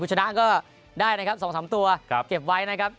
ชนะก็ได้นะครับ๒๓ตัวเก็บไว้นะครับ